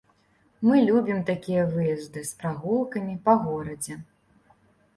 Мы любім такія выезды з прагулкамі па горадзе.